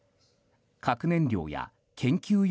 核燃料や研究